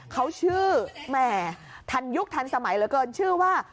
เขาชื่อแหมทันยุคทันสมัยเหลือเกินชื่อว่า